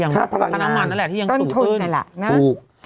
ค่าพลังงานที่ยังสูงขึ้น